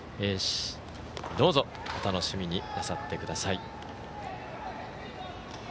どうぞお楽しみになさってください。